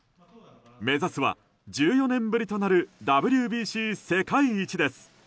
目指すは１４年ぶりとなるＷＢＣ世界一です。